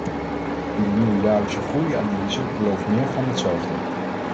Uw nieuwe jaarlijkse groeianalyse belooft meer van hetzelfde.